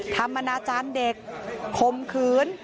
ทำมานาจารย์เด็กคมคืน